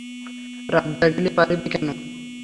রাত জাগিলে পারিবে কেন?